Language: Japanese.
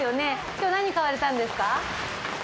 今日何買われたんですか？